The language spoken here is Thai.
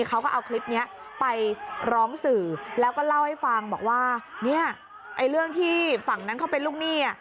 เขาก็เอาคลิปนี้ไปร้องสื่อแล้วก็เล่าให้ฟังบอกว่าเนี่ยไอ้เรื่องที่ฝั่งนั้นเขาเป็นลูกหนี้